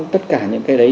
tất cả những cái đấy